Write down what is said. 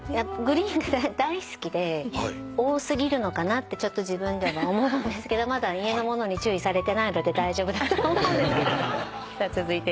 グリーンが大好きで多過ぎるのかなってちょっと自分では思うんですけどまだ家の者に注意されてないので大丈夫だと思うんですけど。